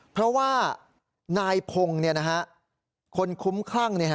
เพราะว่านายพงศ์คนคุ้มคลั่ง